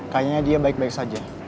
kayaknya dia baik baik saja